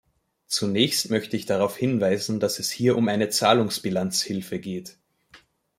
Zunächst möchte ich darauf hinweisen, dass es hier um eine Zahlungsbilanzhilfe geht.